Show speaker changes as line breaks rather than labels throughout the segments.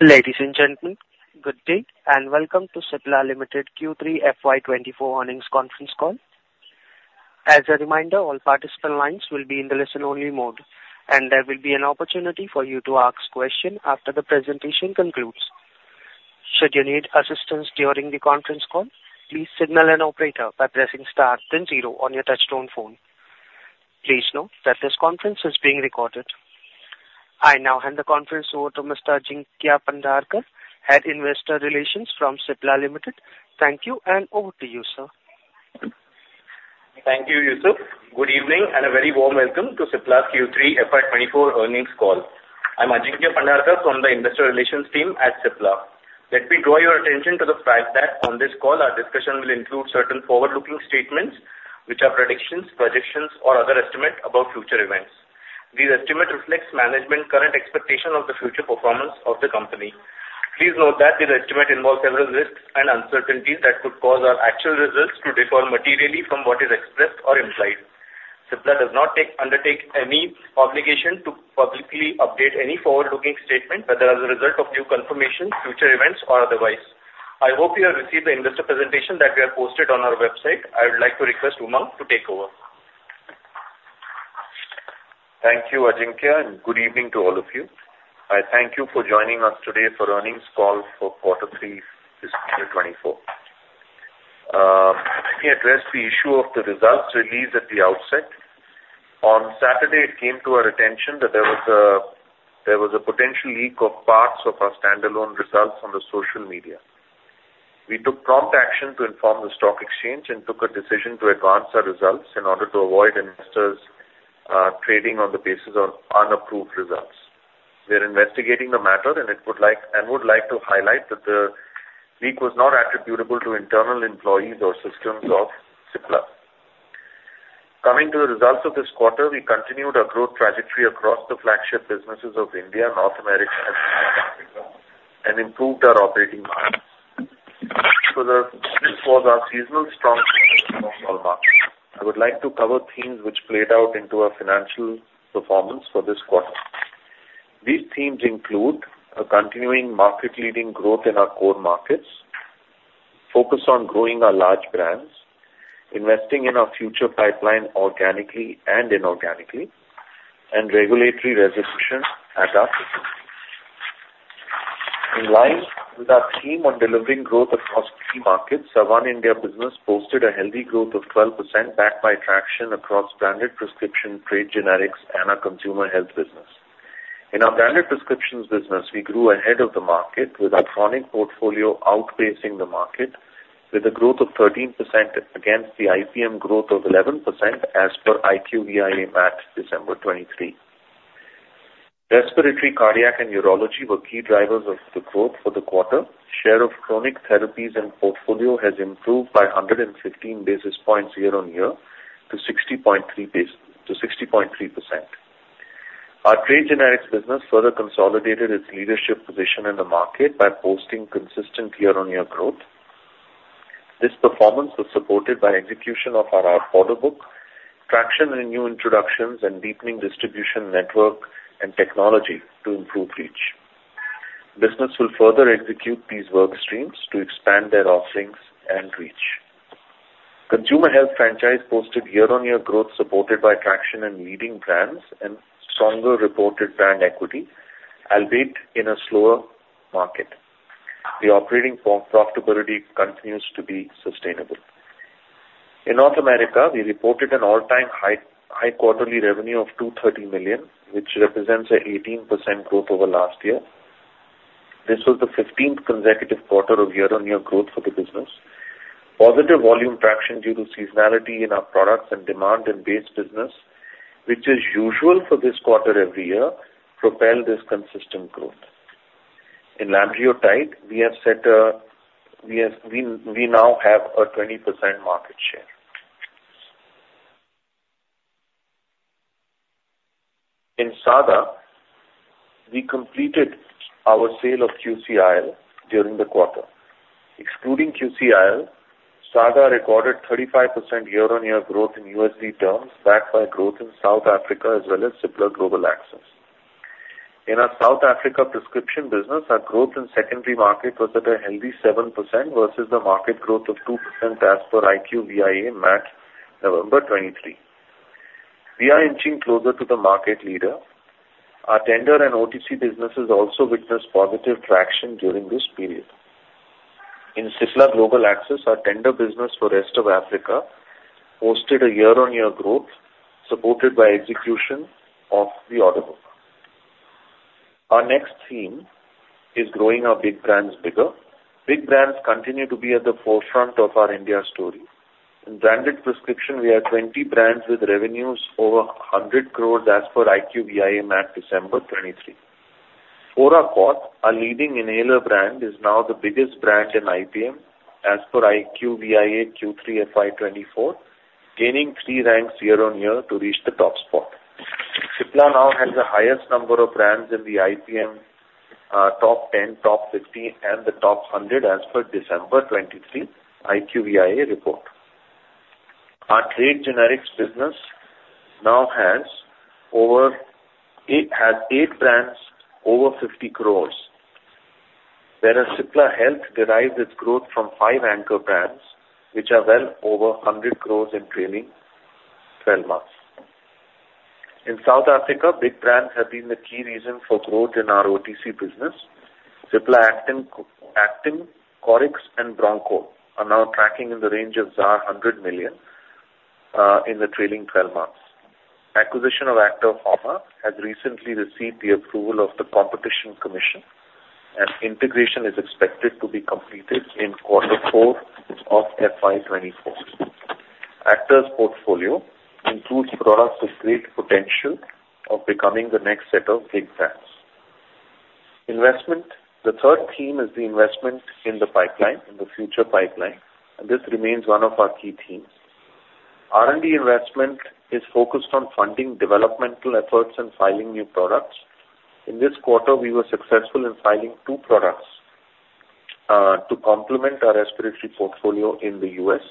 Ladies and gentlemen, good day, and welcome to Cipla Limited Q3 FY 2024 earnings conference call. As a reminder, all participant lines will be in the listen-only mode, and there will be an opportunity for you to ask questions after the presentation concludes. Should you need assistance during the conference call, please signal an operator by pressing star then zero on your touchtone phone. Please note that this conference is being recorded. I now hand the conference over to Mr. Ajinkya Pandharkar, Head Investor Relations from Cipla Limited. Thank you, and over to you, sir.
Thank you, Yusuf. Good evening, and a very warm welcome to Cipla's Q3 FY24 earnings call. I'm Ajinkya Pandharkar from the Investor Relations team at Cipla. Let me draw your attention to the fact that on this call, our discussion will include certain forward-looking statements, which are predictions, projections, or other estimates about future events. These estimates reflect management's current expectation of the future performance of the company. Please note that these estimates involve several risks and uncertainties that could cause our actual results to differ materially from what is expressed or implied. Cipla does not undertake any obligation to publicly update any forward-looking statement, whether as a result of new confirmations, future events, or otherwise. I hope you have received the investor presentation that we have posted on our website. I would like to request Umang to take over.
Thank you, Ajinkya, and good evening to all of you. I thank you for joining us today for earnings call for quarter three fiscal 2024. Let me address the issue of the results released at the outset. On Saturday, it came to our attention that there was a potential leak of parts of our standalone results on social media. We took prompt action to inform the stock exchange and took a decision to advance our results in order to avoid investors trading on the basis of unapproved results. We are investigating the matter, and we would like to highlight that the leak was not attributable to internal employees or systems of Cipla. Coming to the results of this quarter, we continued our growth trajectory across the flagship businesses of India, North America, and Africa, and improved our operating margin. So, this was our seasonal strong performance for all markets. I would like to cover themes which played out into our financial performance for this quarter. These themes include a continuing market-leading growth in our core markets, focus on growing our large brands, investing in our future pipeline organically and inorganically, and regulatory resolution at our systems. In line with our theme on delivering growth across key markets, our India business posted a healthy growth of 12%, backed by traction across branded prescription, trade generics, and our consumer health business. In our branded prescriptions business, we grew ahead of the market, with our chronic portfolio outpacing the market, with a growth of 13% against the IPM growth of 11% as per IQVIA March-December 2023. Respiratory, cardiac, and urology were key drivers of the growth for the quarter. Share of chronic therapies and portfolio has improved by 115 basis points year-on-year to 60.3%. Our trade generics business further consolidated its leadership position in the market by posting consistent year-on-year growth. This performance was supported by execution of our order book, traction in new introductions, and deepening distribution network and technology to improve reach. Business will further execute these work streams to expand their offerings and reach. Consumer health franchise posted year-on-year growth, supported by traction in leading brands and stronger reported brand equity, albeit in a slower market. The operating profitability continues to be sustainable. In North America, we reported an all-time high quarterly revenue of $230 million, which represents an 18% growth over last year. This was the 15th consecutive quarter of year-on-year growth for the business. Positive volume traction due to seasonality in our products and demand in base business, which is usual for this quarter every year, propelled this consistent growth. In Lanreotide, we now have a 20% market share. In SAGA, we completed our sale of QCIL during the quarter. Excluding QCIL, SAGA recorded 35% year-on-year growth in USD terms, backed by growth in South Africa as well as Cipla Global Access. In our South Africa prescription business, our growth in secondary market was at a healthy 7% versus the market growth of 2% as per IQVIA, March-November 2023. We are inching closer to the market leader. Our tender and OTC businesses also witnessed positive traction during this period. In Cipla Global Access, our tender business for rest of Africa posted a year-on-year growth supported by execution of the order book. Our next theme is growing our big brands bigger. Big brands continue to be at the forefront of our India story. In branded prescription, we have 20 brands with revenues over 100 crore as per IQVIA at December 2023. Foracort, our leading inhaler brand, is now the biggest brand in IPM as per IQVIA Q3 FY 2024, gaining three ranks year-on-year to reach the top spot. Cipla now has the highest number of brands in the IPM, top 10, top 15, and the top 100 as per December 2023 IQVIA report. Our trade generics business now has eight brands over 50 crore, whereas Cipla Health derives its growth from five anchor brands, which are well over 100 crore in trailing twelve months. In South Africa, big brands have been the key reason for growth in our OTC business. Ciplactin, Coryx and Broncol are now tracking in the range of 100 million in the trailing twelve months. Acquisition of Actor Pharma has recently received the approval of the Competition Commission, and integration is expected to be completed in quarter four of FY 2024. Actor's portfolio includes products with great potential of becoming the next set of big brands. Investment. The third theme is the investment in the pipeline, in the future pipeline, and this remains one of our key themes. R&D investment is focused on funding developmental efforts and filing new products. In this quarter, we were successful in filing two products to complement our respiratory portfolio in the U.S.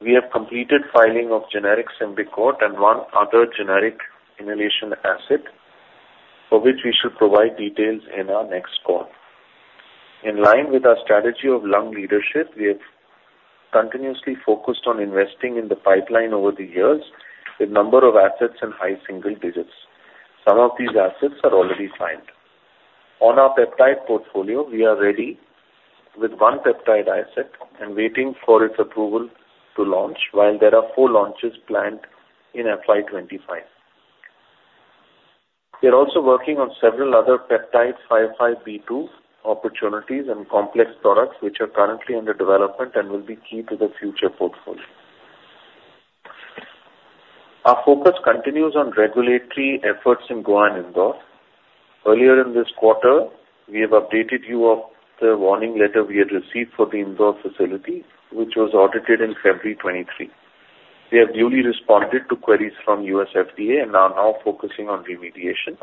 We have completed filing of generic Symbicort and one other generic inhalation asset, for which we should provide details in our next call. In line with our strategy of lung leadership, we have continuously focused on investing in the pipeline over the years, with number of assets in high single digits. Some of these assets are already signed. On our peptide portfolio, we are ready with one peptide asset and waiting for its approval to launch, while there are four launches planned in FY 2025. We are also working on several other peptide 505(b)(2) opportunities and complex products, which are currently under development and will be key to the future portfolio. Our focus continues on regulatory efforts in Goa and Indore. Earlier in this quarter, we have updated you of the warning letter we had received for the Indore facility, which was audited in February 2023. We have duly responded to queries from US FDA and are now focusing on remediation.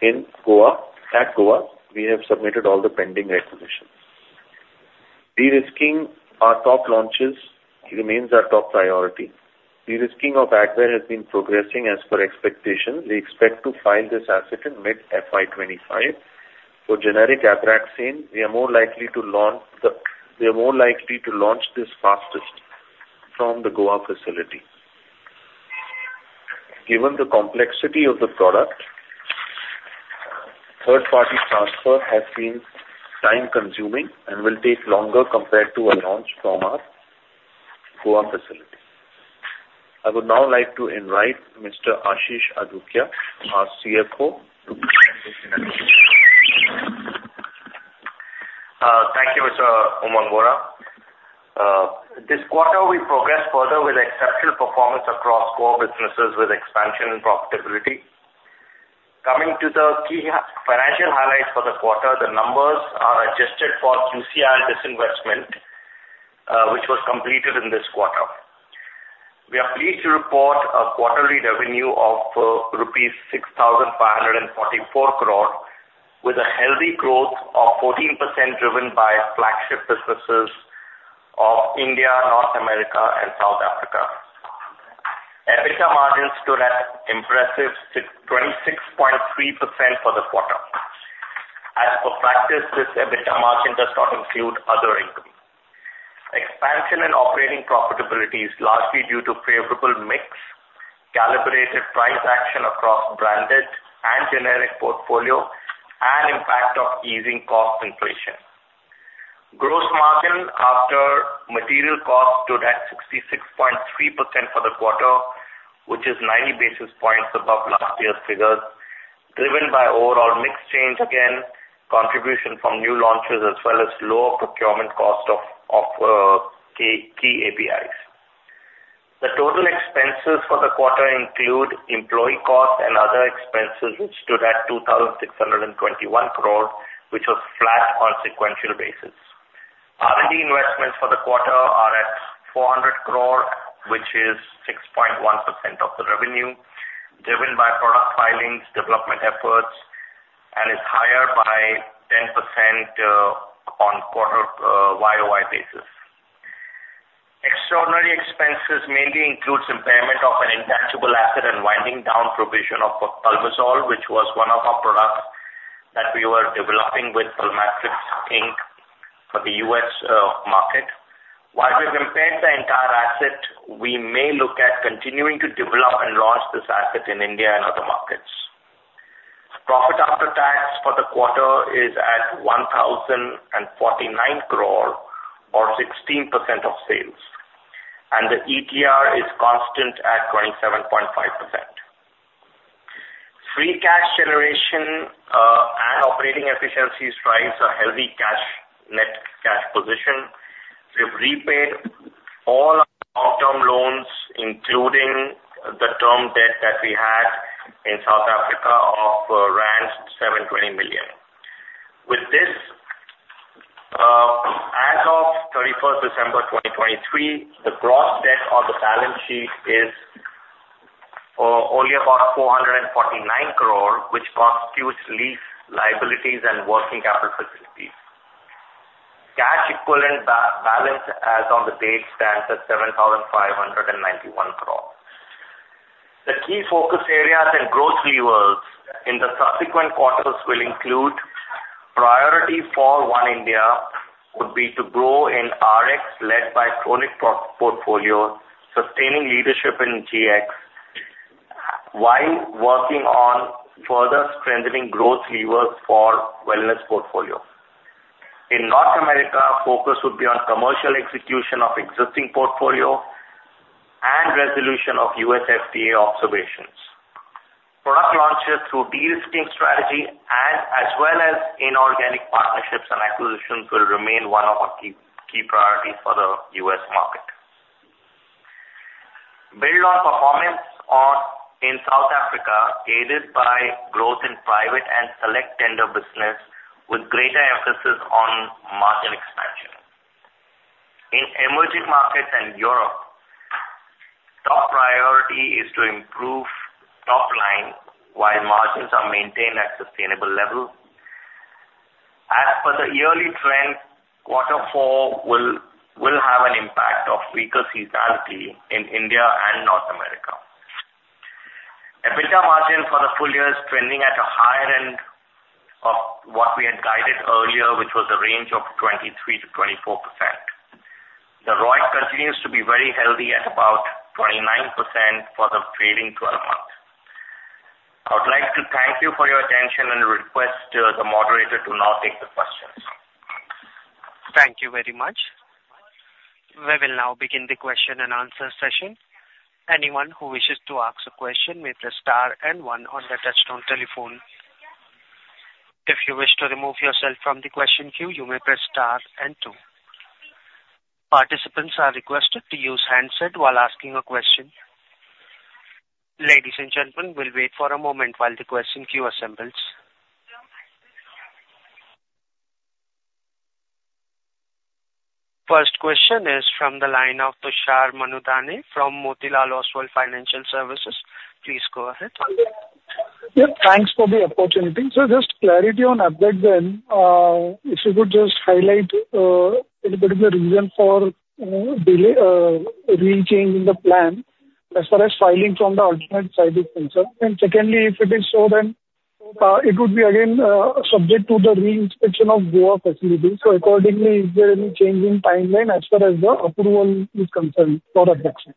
In Goa, at Goa, we have submitted all the pending recognitions. De-risking our top launches remains our top priority. De-risking of Advair has been progressing as per expectation. We expect to file this asset in mid-FY 2025. For generic Abraxane, we are more likely to launch this fastest from the Goa facility. Given the complexity of the product, third-party transfer has been time-consuming and will take longer compared to a launch from our Goa facility. I would now like to invite Mr. Ashish Adukia, our CFO, to present.
Thank you, Mr. Umang Vohra. This quarter, we progressed further with exceptional performance across core businesses with expansion and profitability. Coming to the key financial highlights for the quarter, the numbers are adjusted for QCIL disinvestment, which was completed in this quarter. We are pleased to report a quarterly revenue of rupees 6,544 crore, with a healthy growth of 14%, driven by flagship businesses of India, North America, and South Africa. EBITDA margins stood at impressive 26.3% for the quarter. As per practice, this EBITDA margin does not include other income. Expansion and operating profitability is largely due to favorable mix, calibrated price action across branded and generic portfolio, and impact of easing cost inflation. Gross margin after material costs stood at 66.3% for the quarter, which is 90 basis points above last year's figures, driven by overall mix change again, contribution from new launches, as well as lower procurement cost of, of, key, key APIs. The total expenses for the quarter include employee costs and other expenses, which stood at 2,621 crore, which was flat on sequential basis. R&D investments for the quarter are at 400 crore, which is 6.1% of the revenue, driven by product filings, development efforts, and is higher by 10%, on quarter, YOY basis. Extraordinary expenses mainly includes impairment of an intangible asset and winding down provision of Pulmazole, which was one of our products that we were developing with Pulmatrix, Inc. for the U.S., market. While we've impaired the entire asset, we may look at continuing to develop and launch this asset in India and other markets. Profit after tax for the quarter is at 1,049 crore or 16% of sales, and the ETR is constant at 27.5%. Free cash generation, and operating efficiencies drives a healthy cash, net cash position. We've repaid all long-term loans, including the term debt that we had in South Africa, of rand 720 million. With this, as of 31 December 2023, the gross debt on the balance sheet is...... or only about 449 crore, which constitutes lease liabilities and working capital facilities. Cash equivalent balance as on the date stands at 7,591 crore. The key focus areas and growth levers in the subsequent quarters will include priority for One India would be to grow in RX, led by chronic portfolio, sustaining leadership in GX, while working on further strengthening growth levers for wellness portfolio. In North America, focus would be on commercial execution of existing portfolio and resolution of US FDA observations. Product launches through de-risking strategy and as well as inorganic partnerships and acquisitions, will remain one of our key, key priorities for the US market. Build on performance on, in South Africa, aided by growth in private and select tender business with greater emphasis on margin expansion. In emerging markets and Europe, top priority is to improve top line, while margins are maintained at sustainable level. As for the yearly trend, quarter four will have an impact of weaker seasonality in India and North America. EBITDA margin for the full year is trending at a higher end of what we had guided earlier, which was a range of 23%-24%. The ROIC continues to be very healthy at about 29% for the trailing twelve months. I would like to thank you for your attention and request the moderator to now take the questions.
Thank you very much. We will now begin the question and answer session. Anyone who wishes to ask a question may press star and one on their touchtone telephone. If you wish to remove yourself from the question queue, you may press star and two. Participants are requested to use handset while asking a question. Ladies and gentlemen, we'll wait for a moment while the question queue assembles. First question is from the line of Tushar Manudhane from Motilal Oswal Financial Services. Please go ahead.
Yeah, thanks for the opportunity. So just clarity on Abraxane, if you could just highlight, any particular reason for, delay, rechanging the plan as far as filing from the alternate site is concerned. And secondly, if it is so, then, it would be again, subject to the re-inspection of Goa facility. So accordingly, is there any change in timeline as far as the approval is concerned for Abraxane?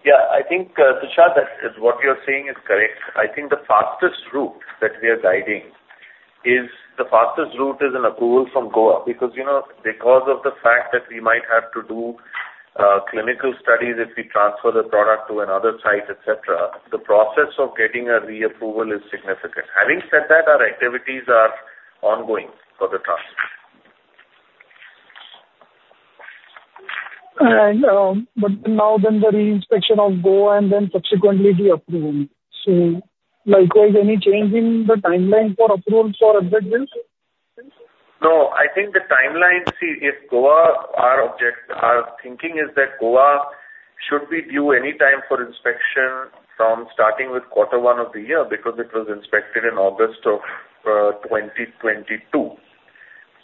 Yeah, I think, Tushar, that is what you're saying is correct. I think the fastest route that we are guiding is, the fastest route is an approval from Goa. Because, you know, because of the fact that we might have to do clinical studies if we transfer the product to another site, et cetera, the process of getting a reapproval is significant. Having said that, our activities are ongoing for the transfer.
But now then the re-inspection of Goa and then subsequently the approval. So likewise, any change in the timeline for approvals for Abraxane, sir?
No, I think the timeline, see, if Goa... Our thinking is that Goa should be due any time for inspection from starting with quarter one of the year, because it was inspected in August of 2022.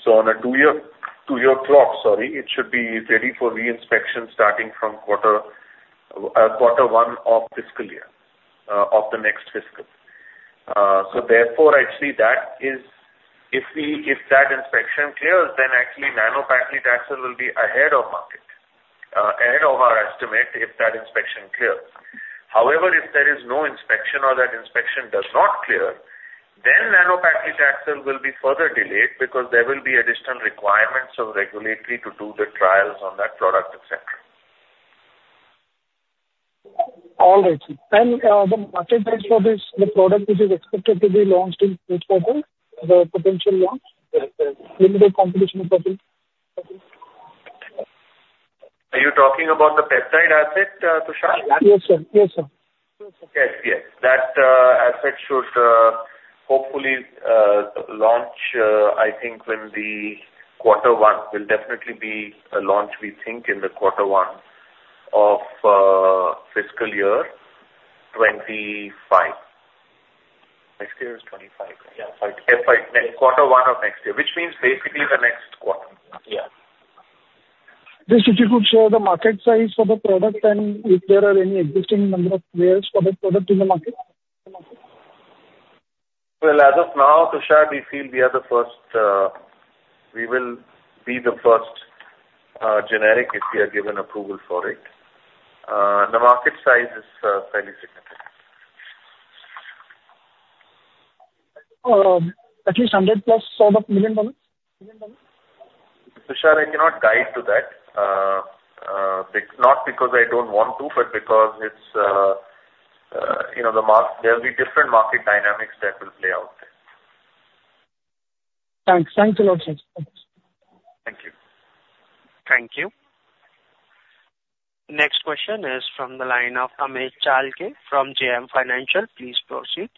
So on a two year clock, sorry, it should be ready for re-inspection starting from quarter one of fiscal year of the next fiscal. So therefore, actually, that is if we, if that inspection clears, then actually Nanopaclitaxel will be ahead of market, ahead of our estimate, if that inspection clears. However, if there is no inspection or that inspection does not clear, then Nanopaclitaxel will be further delayed because there will be additional requirements of regulatory to do the trials on that product, et cetera.
All right. The market price for this, the product, which is expected to be launched in which quarter? The potential launch?
Yes, yes.
Limited competition approach.
Are you talking about the peptide asset, Tushar?
Yes, sir. Yes, sir.
Yes, yes. That asset should hopefully launch, I think in the quarter one. Will definitely be a launch, we think, in the quarter one of fiscal year 25.
Next year is 2025.
Yeah, quarter one of next year, which means basically the next quarter.
Yeah.
Just if you could share the market size for the product and if there are any existing number of players for the product in the market?
Well, as of now, Tushar, we feel we are the first, we will be the first, generic, if we are given approval for it. The market size is fairly significant.
At least $100+ or $1 million?
Tushar, I cannot guide to that. Not because I don't want to, but because it's, you know, there'll be different market dynamics that will play out there.
Thanks. Thank you a lot, sir.
Thank you.
Thank you. Next question is from the line of Amey Chalke from JM Financial. Please proceed. ...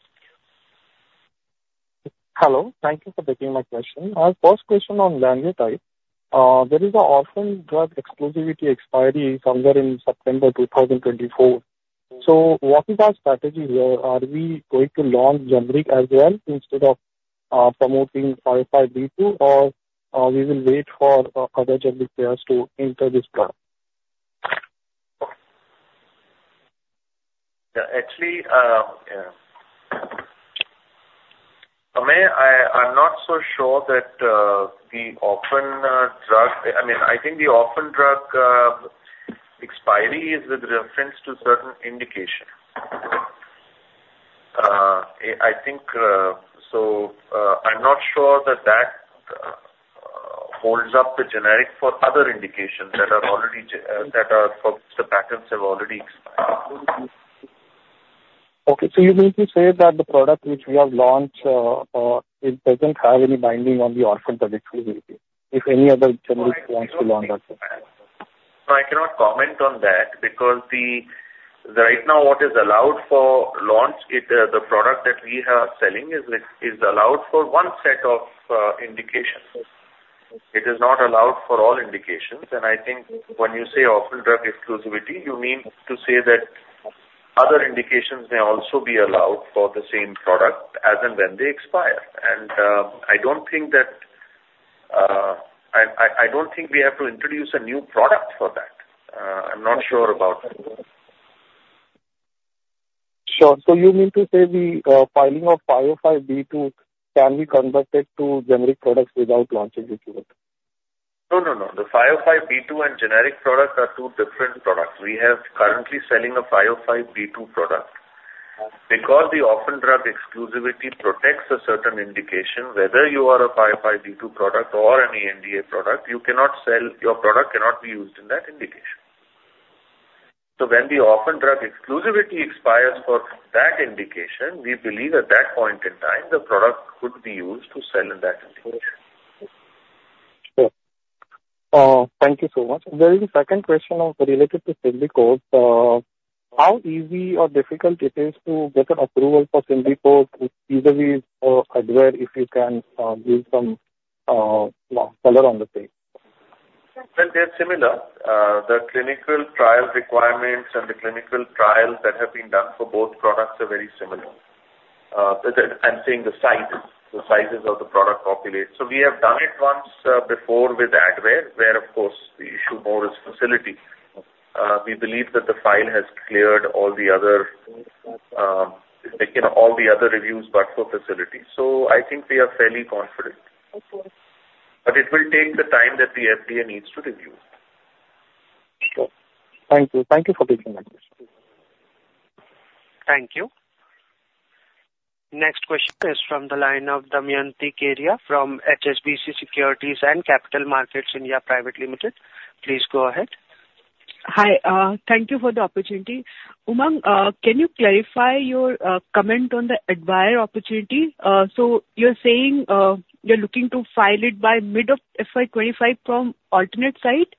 Hello. Thank you for taking my question. My first question on Lanreotide, there is an orphan drug exclusivity expiry somewhere in September 2024. So what is our strategy there? Are we going to launch generic as well instead of, promoting 505(b)(2), or, we will wait for, other generic players to enter this plan?
Yeah, actually, yeah. I'm not so sure that the orphan drug... I mean, I think the orphan drug expiry is with reference to certain indication. I think, so, I'm not sure that that holds up the generic for other indications that are already gen- that are, for the patents have already expired.
Okay, so you mean to say that the product which we have launched, it doesn't have any binding on the orphan drug exclusivity, if any other generic wants to launch that?
No, I cannot comment on that, because the... Right now, what is allowed for launch, it, the product that we are selling is allowed for one set of indications.
Okay.
It is not allowed for all indications. And I think when you say orphan drug exclusivity, you mean to say that other indications may also be allowed for the same product as and when they expire. And, I don't think we have to introduce a new product for that. I'm not sure about that.
Sure. So you mean to say the filing of 505(b)(2) can be converted to generic products without launching the product?
No, no, no. The 505(b)(2) and generic products are two different products. We have currently selling a 505(b)(2) product. Because the orphan drug exclusivity protects a certain indication, whether you are a 505(b)(2) product or an NDA product, you cannot sell... Your product cannot be used in that indication. So when the orphan drug exclusivity expires for that indication, we believe at that point in time, the product could be used to sell in that indication.
Sure. Thank you so much. There is a second question also related to Symbicort. How easy or difficult it is to get an approval for Symbicort easily or Advair, if you can, give some color on the page?
Well, they're similar. The clinical trial requirements and the clinical trials that have been done for both products are very similar. I'm saying the size, the sizes of the product populate. So we have done it once, before with Advair, where, of course, the issue more is facility. We believe that the file has cleared all the other, you know, all the other reviews, but for facilities. So I think we are fairly confident.
Okay.
But it will take the time that the FDA needs to review.
Sure. Thank you. Thank you for taking my question.
Thank you. Next question is from the line of Damayanti Kerai from HSBC Securities and Capital Markets India Private Limited. Please go ahead.
Hi. Tsixank you for the opportunity. Umang, can you clarify your comment on the Advair opportunity? So you're saying, you're looking to file it by mid of FY 2025 from alternate site,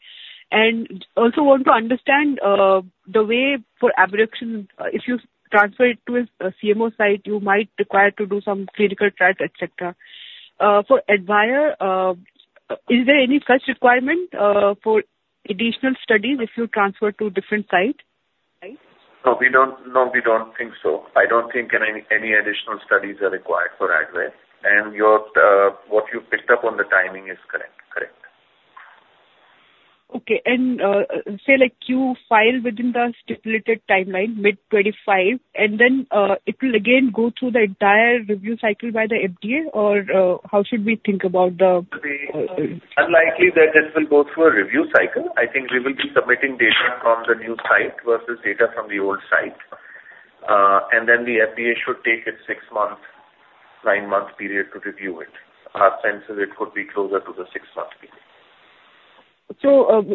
and also want to understand, the way for approval, if you transfer it to a CMO site, you might require to do some clinical trials, et cetera. For Advair, is there any such requirement, for additional studies if you transfer to a different site?
No, we don't. No, we don't think so. I don't think any additional studies are required for Advair, and your what you picked up on the timing is correct. Correct.
Okay, and, say, like, you file within the stipulated timeline, mid-2025, and then, it will again go through the entire review cycle by the FDA or, how should we think about the-
Unlikely that this will go through a review cycle. I think we will be submitting data from the new site versus data from the old site. And then the FDA should take its six-nine month period to review it. Our sense is it could be closer to the six-month period.
So,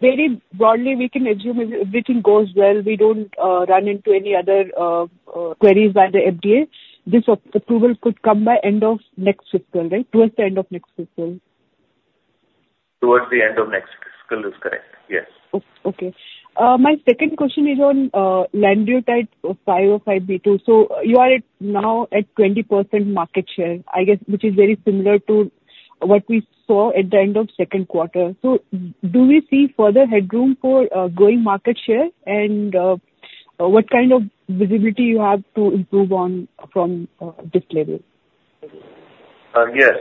very broadly, we can assume if everything goes well, we don't run into any other queries by the FDA, this approval could come by end of next fiscal, right? Towards the end of next fiscal.
Towards the end of next fiscal is correct, yes.
Okay. My second question is on Lanreotide 505(b)(2). So you are at, now at 20% market share, I guess, which is very similar to what we saw at the end of second quarter. So do we see further headroom for growing market share? And what kind of visibility you have to improve on from this level?
Yes.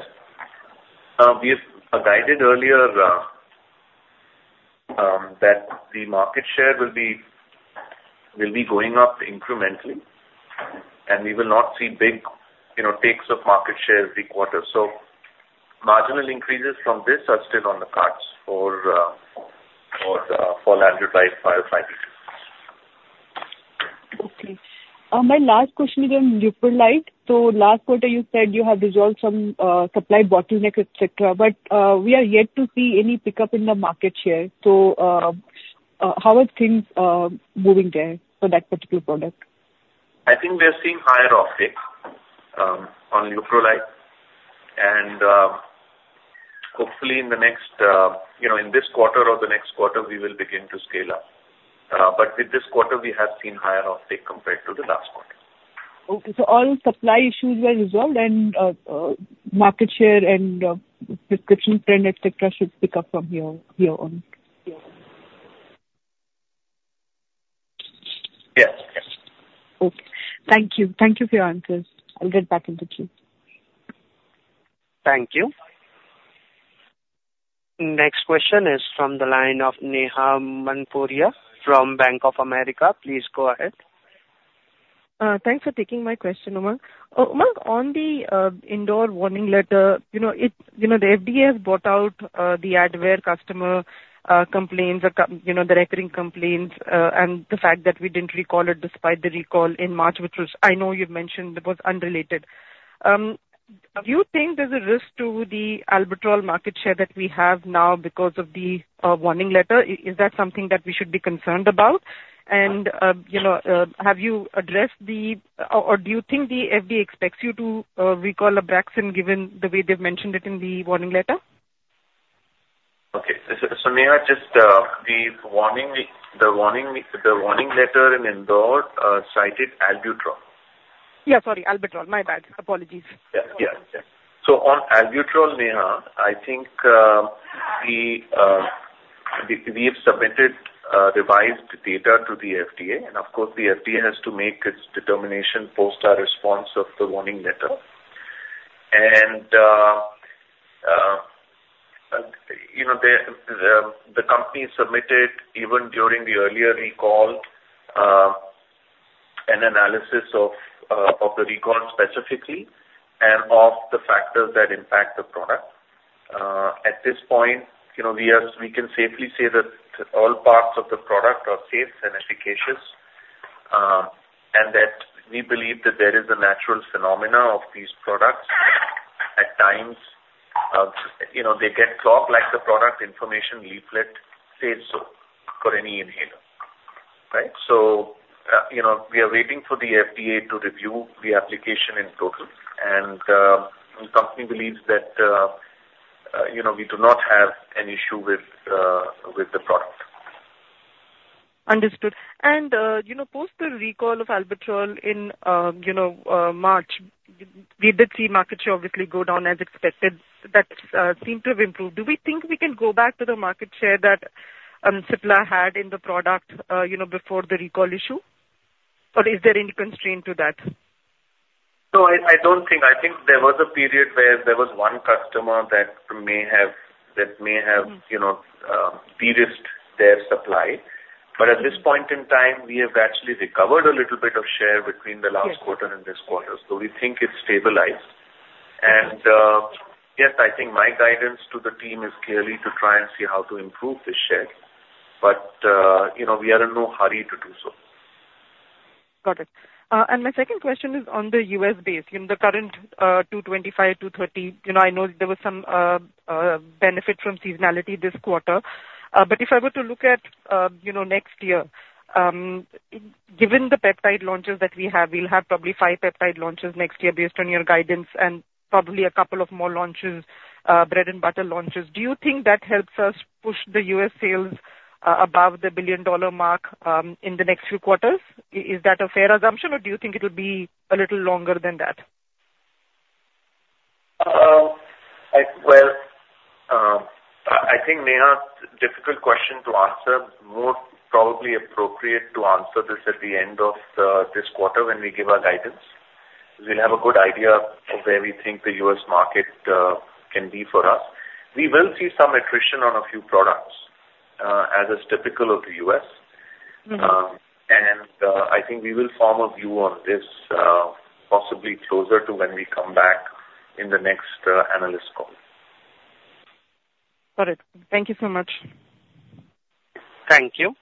We guided earlier that the market share will be going up incrementally, and we will not see big, you know, takes of market share every quarter. So marginal increases from this are still on the cards for Lanreotide 505(b)(2).
Okay. My last question is on Leuprolide. So last quarter, you said you have resolved some supply bottleneck, et cetera, but we are yet to see any pickup in the market share. So, how are things moving there for that particular product?
I think we are seeing higher off takes on Leuprolide, and hopefully, in the next, you know, in this quarter or the next quarter, we will begin to scale up. But with this quarter, we have seen higher uptake compared to the last quarter.
Okay. So all supply issues were resolved, and market share and prescription trend, et cetera, should pick up from here, here on? Yeah.
Yes.
Okay. Thank you. Thank you for your answers. I'll get back into queue.
Thank you. Next question is from the line of Neha Manpuria from Bank of America. Please go ahead.
Thanks for taking my question, Umang. Umang, on the Indore warning letter, you know, it, you know, the FDA has brought out the Advair customer complaints, you know, the recurring complaints, and the fact that we didn't recall it despite the recall in March, which was I know you've mentioned it was unrelated. Do you think there's a risk to the Albuterol market share that we have now because of the warning letter? Is that something that we should be concerned about? And, you know, have you addressed the... Or, do you think the FDA expects you to recall Abraxane, given the way they've mentioned it in the warning letter?
Okay. So, Neha, just the warning letter in Indore cited Albuterol.
Yeah, sorry, Albuterol. My bad. Apologies.
Yeah. Yeah. So on Albuterol, Neha, I think, we have submitted revised data to the FDA, and of course, the FDA has to make its determination post our response of the warning letter. And, you know, the company submitted, even during the earlier recall, an analysis of the recall specifically and of the factors that impact the product. At this point, you know, we can safely say that all parts of the product are safe and efficacious, and that we believe that there is a natural phenomena of these products. At times, you know, they get clogged like the product information leaflet says so for any inhaler, right? So, you know, we are waiting for the FDA to review the application in total. The company believes that, you know, we do not have an issue with the product.
Understood. And, you know, post the recall of Albuterol in, you know, March, we did see market share obviously go down as expected. That seemed to have improved. Do we think we can go back to the market share that Cipla had in the product, you know, before the recall issue, or is there any constraint to that?
No, I don't think. I think there was a period where there was one customer that may have.
Mm.
- you know, de-risked their supply.
Mm.
But at this point in time, we have actually recovered a little bit of share between the last-
Yes...
quarter and this quarter, so we think it's stabilized. And, yes, I think my guidance to the team is clearly to try and see how to improve this share. But, you know, we are in no hurry to do so.
Got it. My second question is on the US base, you know, the current $225-$220. You know, I know there was some benefit from seasonality this quarter. If I were to look at, you know, next year, given the peptide launches that we have, we'll have probably five peptide launches next year based on your guidance and probably a couple of more launches, bread and butter launches. Do you think that helps us push the US sales above the billion-dollar mark in the next few quarters? Is that a fair assumption, or do you think it'll be a little longer than that?
Well, I think, Neha, difficult question to answer. More probably appropriate to answer this at the end of this quarter when we give our guidance. We'll have a good idea of where we think the U.S. market can be for us. We will see some attrition on a few products, as is typical of the U.S.
Mm-hmm.
I think we will form a view on this, possibly closer to when we come back in the next analyst call.
Got it. Thank you so much.
Thank you.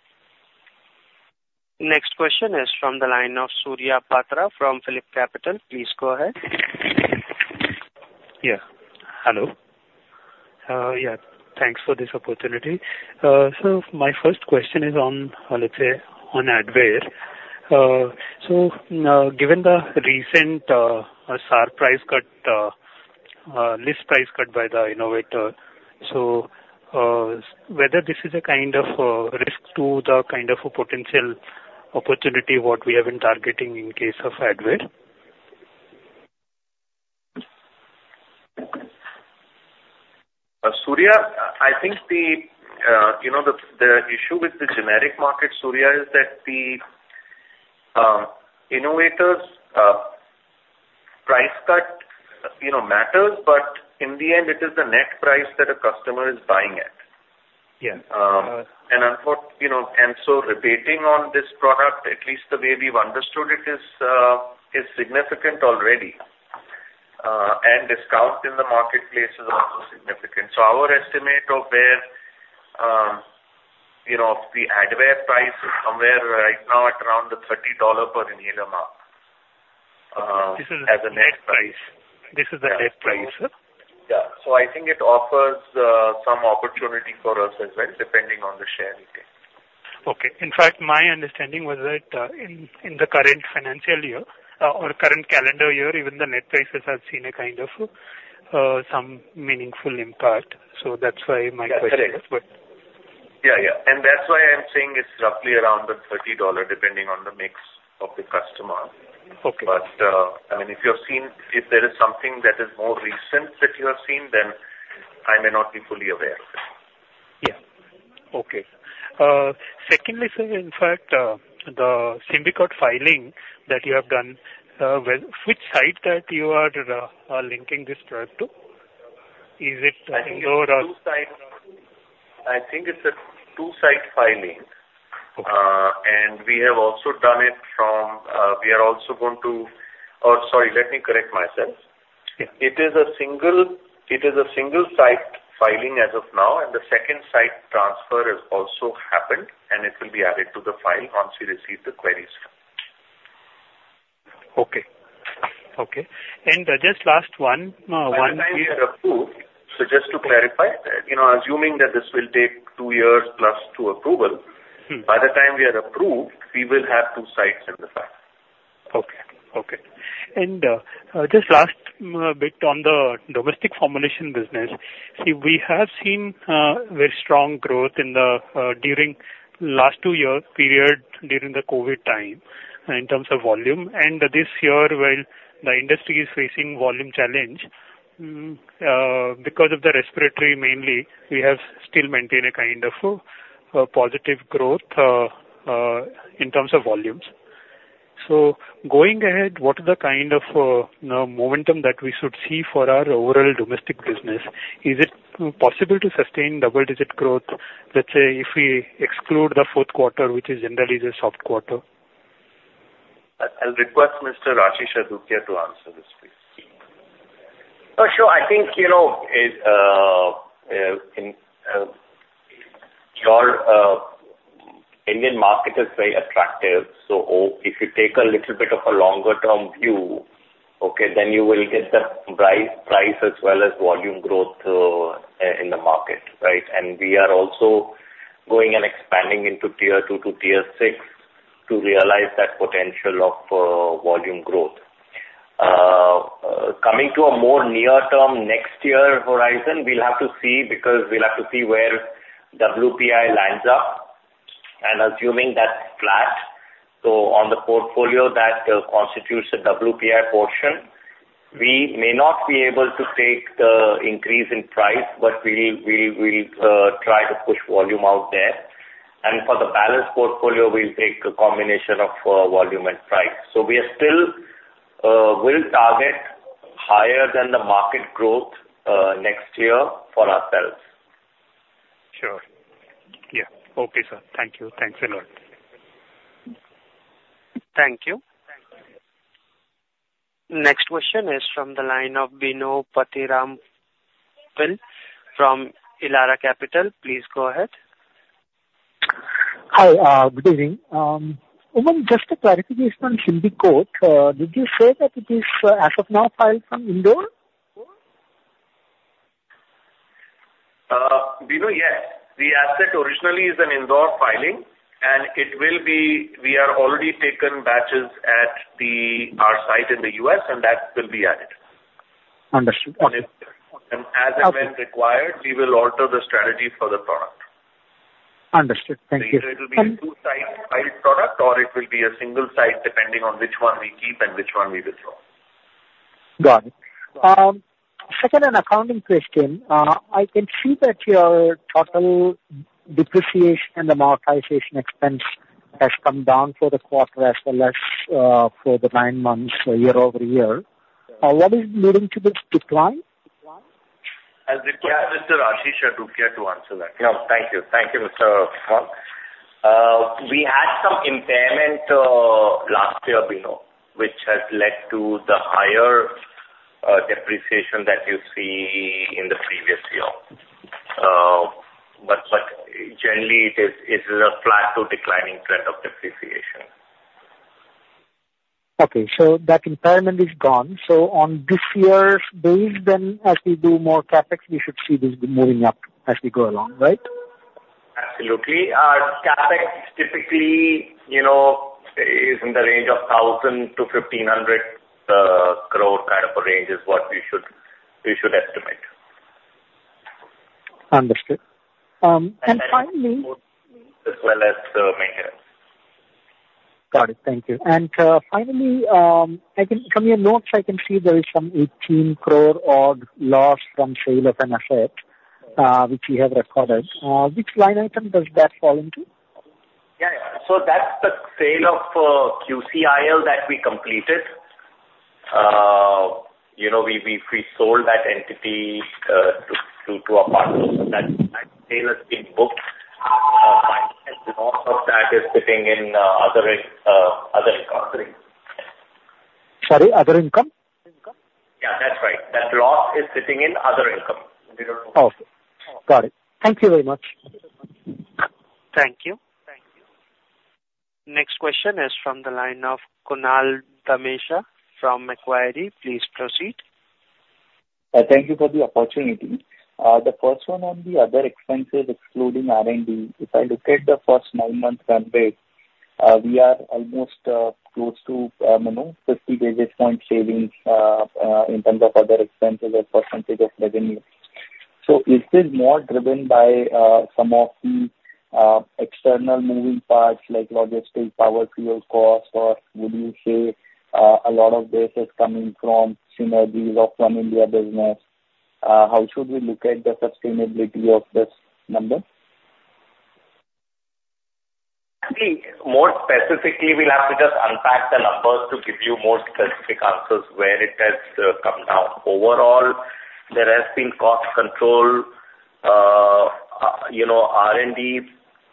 Next question is from the line of Surya Patra from PhillipCapital. Please go ahead.
Yeah. Hello. Yeah, thanks for this opportunity. So my first question is on, let's say, on Advair. So, given the recent sharp price cut, list price cut by the innovator, so, whether this is a kind of risk to the kind of a potential opportunity, what we have been targeting in case of Advair?
Surya, I think, you know, the issue with the generic market, Surya, is that the innovators price cut, you know, matters, but in the end, it is the net price that a customer is buying at.
Yes.
and so rebating on this product, at least the way we've understood it, is significant already, and discount in the marketplace is also significant. So our estimate of where, you know, the Advair price is somewhere right now at around the $30 per inhaler mark,
This is-
- as a net price.
This is the net price, sir?
Yeah. So I think it offers some opportunity for us as well, depending on the share we get....
Okay. In fact, my understanding was that, in the current financial year, or current calendar year, even the net prices have seen a kind of, some meaningful impact. So that's why my question is what-
Yeah, yeah. That's why I'm saying it's roughly around the $30, depending on the mix of the customer.
Okay.
I mean, if you've seen if there is something that is more recent that you have seen, then I may not be fully aware of it.
Yeah. Okay. Secondly, sir, in fact, the Symbicort filing that you have done, well, which site that you are linking this drug to? Is it-
I think it's a two-site, I think it's a two-site filing.
Okay.
We have also done it from, we are also going to... Oh, sorry, let me correct myself.
Yeah.
It is a single-site filing as of now, and the second site transfer has also happened, and it will be added to the file once we receive the queries.
Okay. Okay. And, just last one, one-
By the time we are approved, so just to clarify, you know, assuming that this will take two years plus to approval.
Mm-hmm.
By the time we are approved, we will have two sites in the file.
Okay. Okay. Just last bit on the domestic formulation business, see, we have seen very strong growth during last two-year period, during the COVID time, in terms of volume. This year, while the industry is facing volume challenge because of the respiratory mainly, we have still maintained a kind of positive growth in terms of volumes. So going ahead, what is the kind of momentum that we should see for our overall domestic business? Is it possible to sustain double-digit growth, let's say, if we exclude the fourth quarter, which is generally the soft quarter?
I'll request Mr. Ashish Adukia to answer this, please.
Oh, sure. I think, you know, in your Indian market is very attractive, so if you take a little bit of a longer-term view, okay, then you will get the price, price as well as volume growth, in the market, right? And we are also going and expanding into tier two to tier six to realize that potential of, volume growth. Coming to a more near-term, next year horizon, we'll have to see because we'll have to see where WPI lines up, and assuming that's flat. So on the portfolio that constitutes a WPI portion, we may not be able to take the increase in price, but we, we will, try to push volume out there. And for the balance portfolio, we'll take a combination of, volume and price. So we are still, will target higher than the market growth, next year for ourselves.
Sure. Yeah. Okay, sir. Thank you. Thanks a lot.
Thank you. Next question is from the line of Bino Pathiparampil from Elara Capital. Please go ahead.
Hi, good evening. Even just a clarification on Symbicort. Did you say that it is, as of now, filed from Indore?
Bino, yes. The asset originally is an Indore facility, and it will be... We have already taken batches at our site in the US, and that will be added.
Understood.
As and when required, we will alter the strategy for the product.
Understood. Thank you.
Either it will be a two-site filed product, or it will be a single site, depending on which one we keep and which one we discard.
Got it. Second, an accounting question. I can see that your total depreciation and amortization expense has come down for the quarter, as well as for the nine months, year-over-year. What is leading to this decline?
I'll request Mr. Ashish Adukia to answer that.
Yeah. Thank you. Thank you, Mr. Phil. We had some impairment last year, Bino, which has led to the higher depreciation that you see in the previous year. But, but generally, it is, it's a flat to declining trend of depreciation.
Okay, so that impairment is gone. On this year's base, then, as we do more CapEx, we should see this moving up as we go along, right?
Absolutely. Our CapEx typically, you know, is in the range of 1,000-1,500 crore kind of a range is what we should, we should estimate.
Understood. And finally-
As well as the maintenance.
Got it. Thank you. And finally, I can... From your notes, I can see there is some 18 crore odd loss from sale of an asset, which you have recorded. Which line item does that fall into?
Yeah, so that's the sale of QCIL that we completed. You know, we sold that entity to a partner, and that sale has been booked. Loss of that is sitting in other income.
Sorry, other income?
Yeah, that's right. That loss is sitting in other income. We don't-
Okay. Got it. Thank you very much.
Thank you. Next question is from the line of Kunal Dhamesha from Macquarie. Please proceed....
Thank you for the opportunity. The first one on the other expenses excluding R&D, if I look at the first nine-month runway, we are almost, close to, you know, 50 basis point savings, in terms of other expenses as percentage of revenue. So is this more driven by, some of the, external moving parts, like logistics, power, fuel costs, or would you say, a lot of this is coming from synergies or from India business? How should we look at the sustainability of this number? I think more specifically, we'll have to just unpack the numbers to give you more specific answers where it has, come down. Overall, there has been cost control. You know, R&D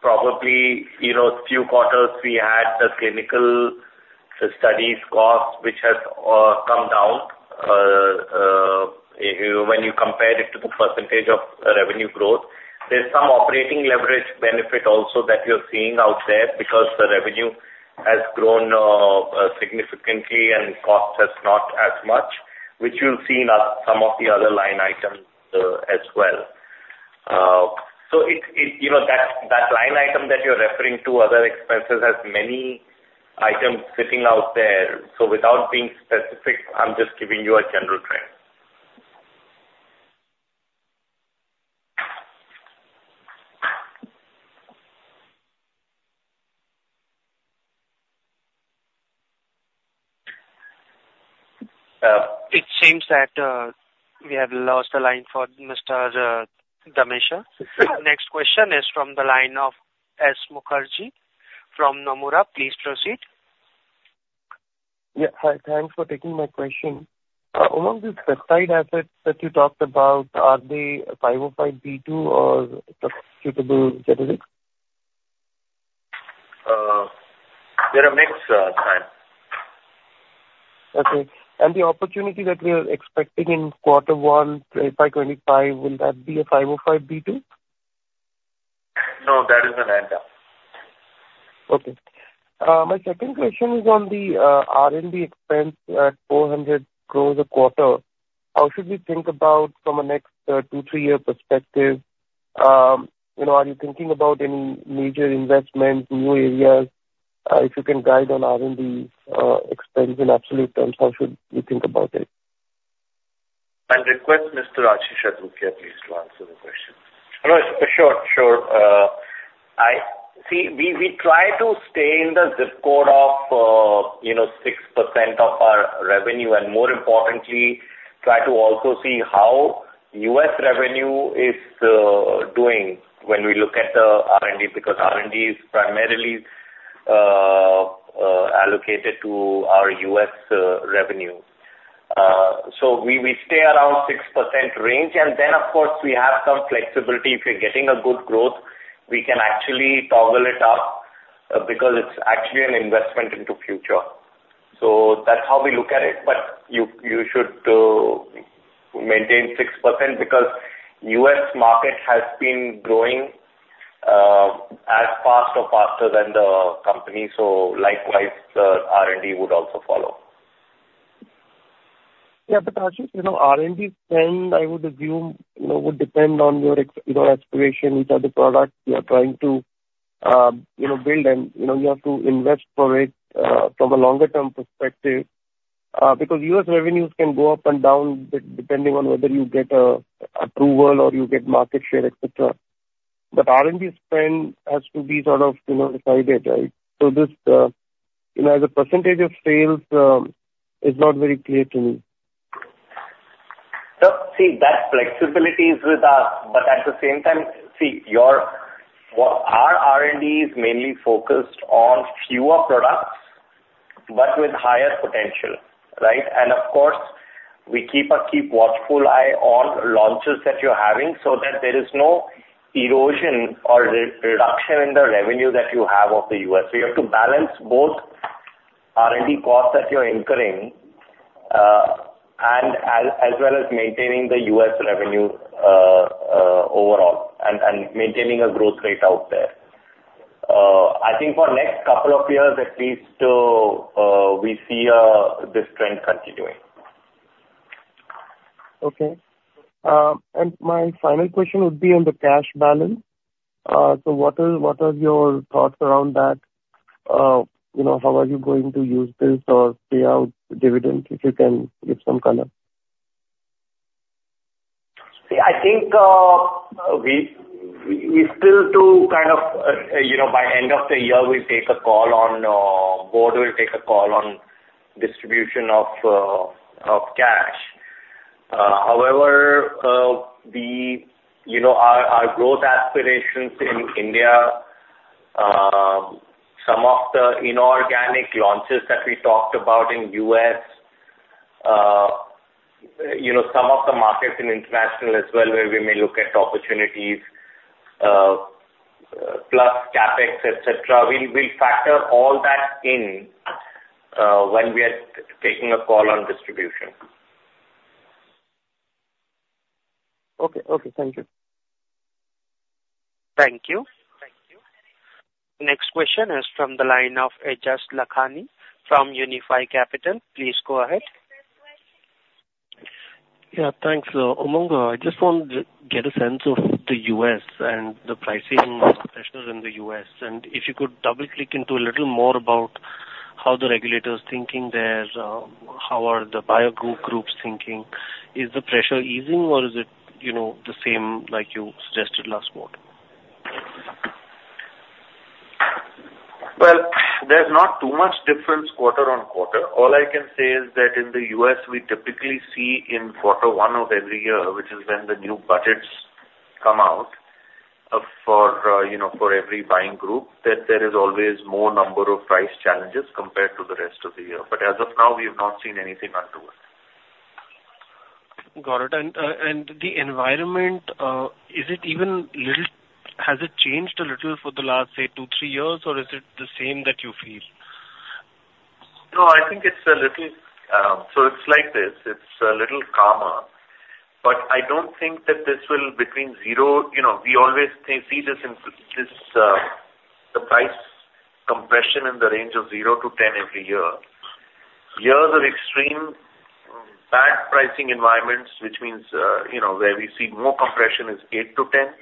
probably, you know, few quarters we had the clinical studies cost, which has, come down. When you compare it to the percentage of revenue growth, there's some operating leverage benefit also that you're seeing out there, because the revenue has grown significantly and cost has not as much, which you'll see in some of the other line items as well. So it, you know, that line item that you're referring to, other expenses, has many items sitting out there. So without being specific, I'm just giving you a general trend.
It seems that we have lost the line for Mr. Dhamesha. Next question is from the line of S. Mukherjee from Nomura. Please proceed.
Yeah. Hi, thanks for taking my question. Among the peptide assets that you talked about, are they 505(b)(2) or substitutable generics?
They're a mix, time.
Okay. The opportunity that we are expecting in Q1 FY25, will that be a 505(b)(2)?
No, that is an add-on.
Okay. My second question is on the R&D expense at 400 crore a quarter. How should we think about from a next two, three-year perspective? You know, are you thinking about any major investments, new areas? If you can guide on R&D expense in absolute terms, how should we think about it?
I'll request Mr. Ashish Adukia, please, to answer the question.
Sure, sure. See, we try to stay in the zip code of, you know, 6% of our revenue, and more importantly, try to also see how US revenue is doing when we look at the R&D, because R&D is primarily allocated to our US revenue. So we stay around 6% range, and then, of course, we have some flexibility. If we're getting a good growth, we can actually toggle it up, because it's actually an investment into future. So that's how we look at it. But you should maintain 6% because US market has been growing as fast or faster than the company, so likewise, the R&D would also follow.
Yeah, but Ashish, you know, R&D spend, I would assume, you know, would depend on your ex-US, you know, aspirations, which are the products you are trying to build and, you know, you have to invest for it from a longer term perspective, because U.S. revenues can go up and down depending on whether you get an approval or you get market share, et cetera. But R&D spend has to be sort of, you know, decided, right? So this, you know, as a percentage of sales, is not very clear to me.
So, see, that flexibility is with us, but at the same time, see, what our R&D is mainly focused on fewer products, but with higher potential, right? And of course, we keep a watchful eye on launches that you're having so that there is no erosion or re-reduction in the revenue that you have of the U.S. So you have to balance both R&D costs that you're incurring, and as well as maintaining the U.S. revenue, overall and maintaining a growth rate out there. I think for next couple of years, at least, we see this trend continuing.
Okay. And my final question would be on the cash balance. So what are, what are your thoughts around that? You know, how are you going to use this or pay out dividends, if you can give some color?
See, I think, we still do kind of, you know, by end of the year, we'll take a call on, board will take a call on distribution of, of cash. However, you know, our growth aspirations in India, some of the inorganic launches that we talked about in US, you know, some of the markets in international as well, where we may look at opportunities, plus CapEx, et cetera, we'll factor all that in, when we are taking a call on distribution.
Okay. Okay, thank you....
Thank you. Thank you. Next question is from the line of Aejas Lakhani from Unifi Capital. Please go ahead.
Yeah, thanks. Umang, I just want to get a sense of the US and the pricing professionals in the US, and if you could double-click into a little more about how the regulator is thinking there, how are the buyer group, groups thinking? Is the pressure easing or is it, you know, the same like you suggested last quarter?
Well, there's not too much difference quarter-on-quarter. All I can say is that in the U.S., we typically see in quarter one of every year, which is when the new budgets come out, for, you know, for every buying group, that there is always more number of price challenges compared to the rest of the year. But as of now, we have not seen anything untoward.
Got it. And the environment, is it even little... Has it changed a little for the last, say, two, three years, or is it the same that you feel?
No, I think it's a little. So it's like this, it's a little calmer, but I don't think that this will between zero. You know, we always see this in this, the price compression in the range of 0-10 every year. Years of extreme bad pricing environments, which means, you know, where we see more compression is 8-10.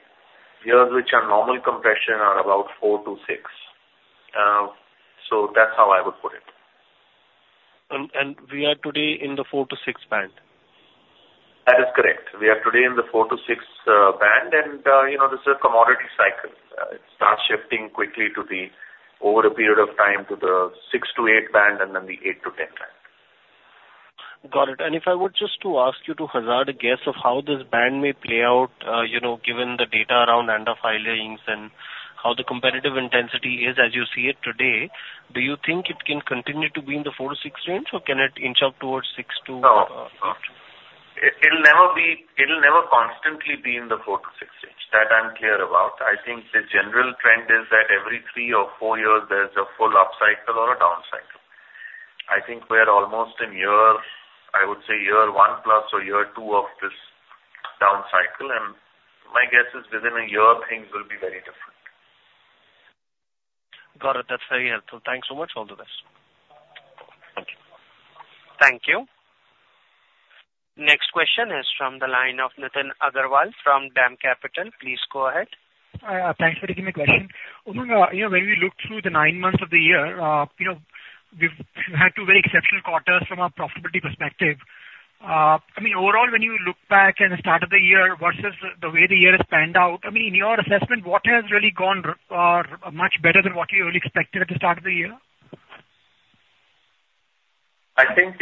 Years which are normal compression are about four-six. So that's how I would put it.
We are today in the four-six band?
That is correct. We are today in the four-six band, and, you know, this is a commodity cycle. It starts shifting quickly to the, over a period of time, to the six-eight band, and then the 8-10 band.
Got it. If I were just to ask you to hazard a guess of how this band may play out, you know, given the data around end of filings and how the competitive intensity is as you see it today, do you think it can continue to be in the four-six range, or can it inch up towards six to,
No. No. It'll never be—It'll never constantly be in the four-six range. That I'm clear about. I think the general trend is that every three or four years there's a full upcycle or a downcycle. I think we're almost in year, I would say year one plus or year two of this downcycle, and my guess is within a year, things will be very different.
Got it. That's very helpful. Thanks so much. All the best.
Thank you.
Thank you. Next question is from the line of Nitin Agarwal from DAM Capital. Please go ahead.
Thanks for taking my question. You know, when we look through the nine months of the year, you know, we've had two very exceptional quarters from a profitability perspective. I mean, overall, when you look back at the start of the year versus the way the year has panned out, I mean, in your assessment, what has really gone much better than what you really expected at the start of the year?
I think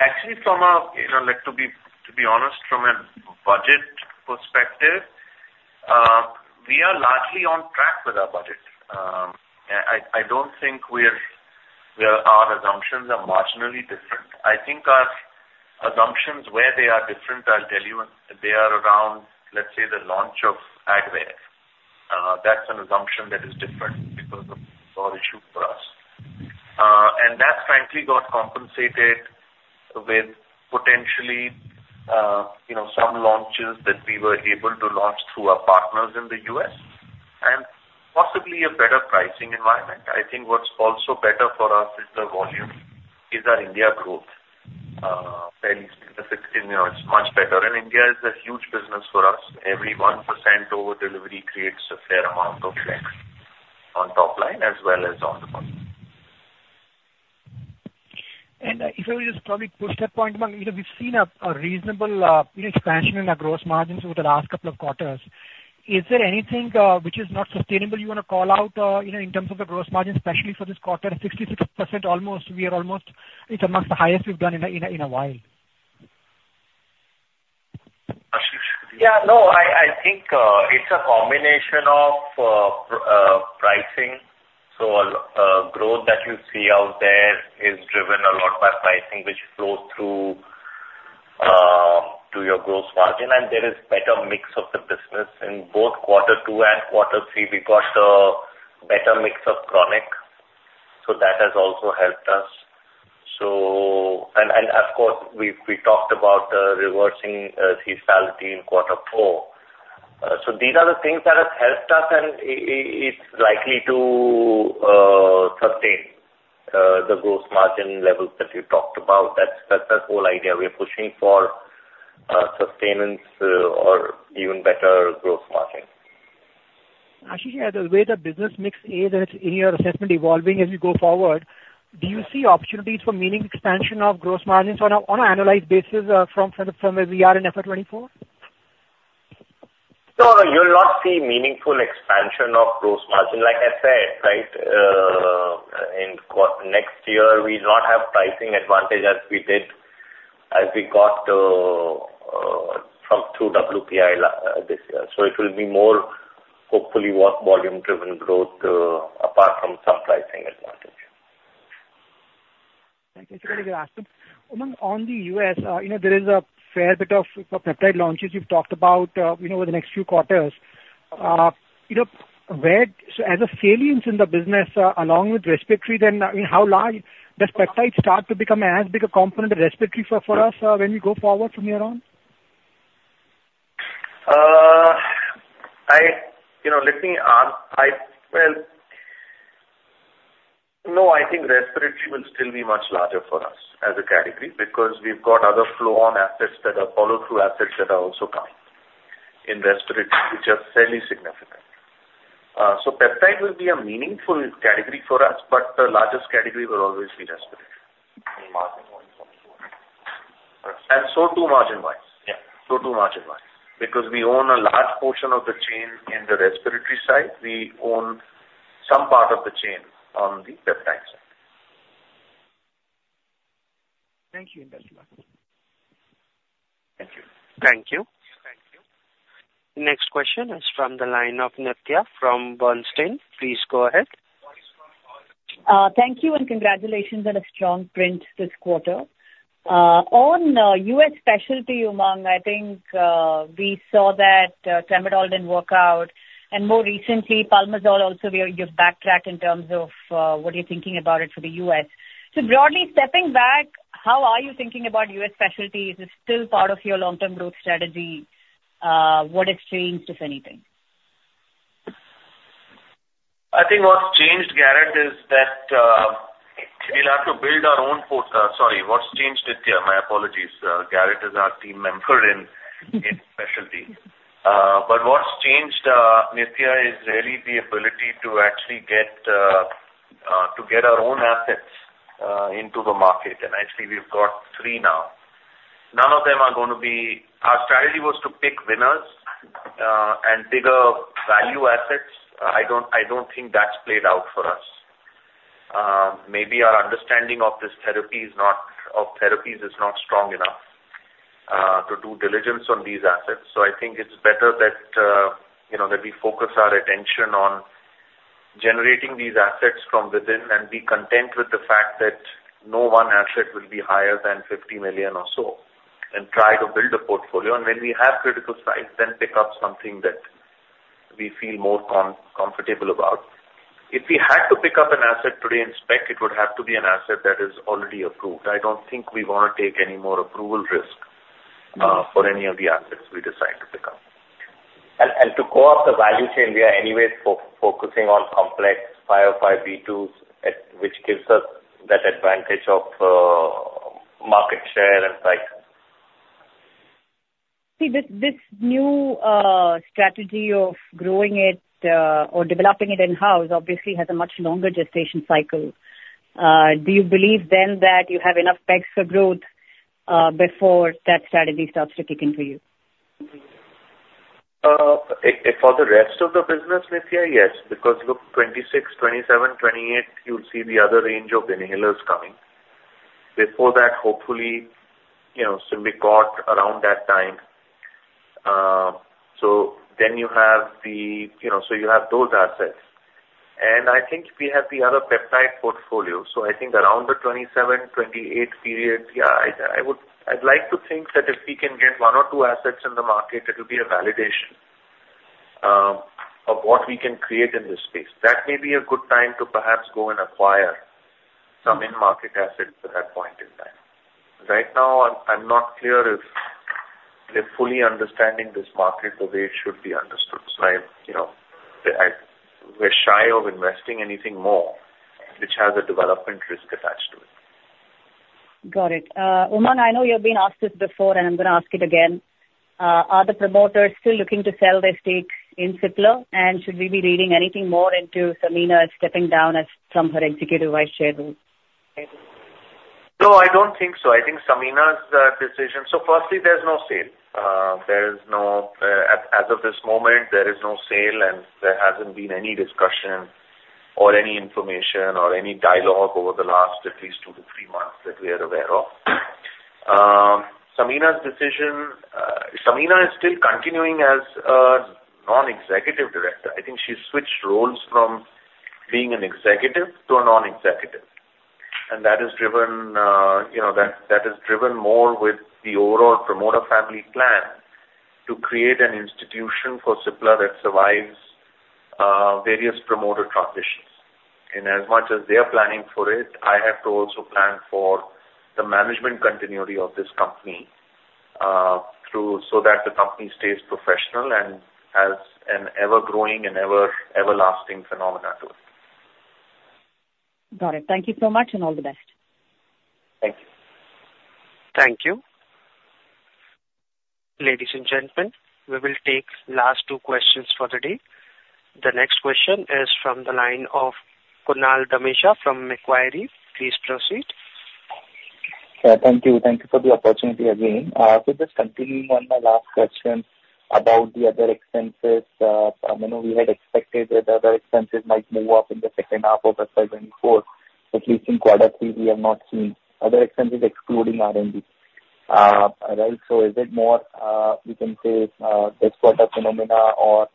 actually, from a, you know, like, to be honest, from a budget perspective, we are largely on track with our budget. I don't think we're where our assumptions are marginally different. I think our assumptions, where they are different, I'll tell you, they are around, let's say, the launch of Advair. That's an assumption that is different because of issues for us. And that frankly got compensated with potentially, you know, some launches that we were able to launch through our partners in the U.S. and possibly a better pricing environment. I think what's also better for us is the volume, is our India growth. Specifically, you know, it's much better, and India is a huge business for us. Every 1% over delivery creates a fair amount of depth on top line as well as on the bottom.
If I would just probably push that point, Umang, you know, we've seen a reasonable expansion in our gross margins over the last couple of quarters. Is there anything which is not sustainable you want to call out, you know, in terms of the gross margin, especially for this quarter? 66% almost, we are almost, it's amongst the highest we've done in a while.
Yeah. No, I think it's a combination of pricing. So a growth that you see out there is driven a lot by pricing, which flows through to your gross margin, and there is better mix of the business. In both quarter two and quarter three, we got a better mix of chronic, so that has also helped us. And of course, we talked about reversing seasonality in quarter four. So these are the things that have helped us, and it's likely to sustain the gross margin levels that we talked about. That's the whole idea. We are pushing for sustenance or even better gross margin.
Actually, the way the business mix is, in your assessment evolving as you go forward, do you see opportunities for meaningful expansion of gross margins on an annualized basis, from where we are in FY 2024?
No, you'll not see meaningful expansion of gross margin. Like I said, right, Next year, we'll not have pricing advantage as we did, as we got, from through WPI this year. So it will be more hopefully, work volume-driven growth, apart from some pricing advantage.
Thank you. So let me ask you, Umang, on the US, you know, there is a fair bit of peptide launches you've talked about, you know, over the next few quarters. You know, so as a salience in the business, along with respiratory, then, I mean, how large does peptide start to become as big a component of respiratory for us, when we go forward from here on?
You know, let me, well, no, I think respiratory will still be much larger for us as a category, because we've got other flow-on assets that are follow-through assets that are also coming in respiratory, which are fairly significant. So, peptide will be a meaningful category for us, but the largest category will always be respiratory.
In margin point.
So too, margin-wise.
Yeah.
So too, margin-wise, because we own a large portion of the chain in the respiratory side. We own some part of the chain on the peptide side.
Thank you, and best of luck.
Thank you.
Thank you. Thank you. Next question is from the line of Nithya from Bernstein. Please go ahead.
Thank you, and congratulations on a strong print this quarter. On U.S. specialty, Umang, I think we saw that Tramadol didn't work out, and more recently, Pulmazole also, you've backtracked in terms of what you're thinking about it for the U.S. So broadly stepping back, how are you thinking about U.S. specialties? Is it still part of your long-term growth strategy? What has changed, if anything?
I think what's changed, Garrett. Sorry, what's changed, Nithya? My apologies. Garrett is our team member in specialty. But what's changed, Nithya, is really the ability to actually get to get our own assets into the market. And actually, we've got three now. None of them are going to be... Our strategy was to pick winners and bigger value assets. I don't, I don't think that's played out for us. Maybe our understanding of this therapy is not, of therapies is not strong enough to do diligence on these assets. So I think it's better that, you know, that we focus our attention on generating these assets from within and be content with the fact that no one asset will be higher than 50 million or so, and try to build a portfolio. And when we have critical size, then pick up something that we feel more comfortable about. If we had to pick up an asset today in spec, it would have to be an asset that is already approved. I don't think we want to take any more approval risk, for any of the assets we decide to pick up. And, and to go up the value chain, we are anyways focusing on complex 505(b)(2)s, which gives us that advantage of, market share and cycle.
See, this, this new, strategy of growing it, or developing it in-house, obviously has a much longer gestation cycle. Do you believe then that you have enough pegs for growth, before that strategy starts to kick in for you?
For the rest of the business, Nitya, yes, because look, 2026, 2027, 2028, you'll see the other range of inhalers coming. Before that, hopefully, you know, Symbicort around that time. So then you have the... You know, so you have those assets. And I think we have the other peptide portfolio, so I think around the 2027, 2028 period, yeah, I, I would-- I'd like to think that if we can get one or two assets in the market, it will be a validation of what we can create in this space. That may be a good time to perhaps go and acquire some in-market assets at that point in time. Right now, I'm, I'm not clear if we're fully understanding this market the way it should be understood. So, you know, we're shy of investing anything more, which has a development risk attached to it.
Got it. Umang, I know you've been asked this before, and I'm going to ask it again. Are the promoters still looking to sell their stake in Cipla? And should we be reading anything more into Samina stepping down as from her executive vice chair role?
No, I don't think so. I think Samina's decision. So firstly, there's no sale. There is no, as of this moment, there is no sale, and there hasn't been any discussion or any information or any dialogue over the last at least two to three months that we are aware of. Samina's decision, Samina is still continuing as a non-executive director. I think she switched roles from being an executive to a non-executive. And that is driven, you know, that is driven more with the overall promoter family plan to create an institution for Cipla that survives various promoter transitions. And as much as they are planning for it, I have to also plan for the management continuity of this company, through, so that the company stays professional and has an ever-growing and ever, everlasting phenomena to it.
Got it. Thank you so much, and all the best.
Thank you.
Thank you. Ladies and gentlemen, we will take last two questions for the day. The next question is from the line of Kunal Dhamesha from Macquarie. Please proceed.
Thank you. Thank you for the opportunity again. So just continuing on my last question about the other expenses, I know we had expected that the other expenses might move up in the second half of the year 2024, at least in quarter three, we have not seen other expenses excluding R&D. Right, so is it more, we can say, this quarter phenomena, or